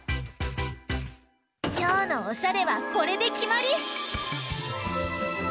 きょうのおしゃれはこれできまり！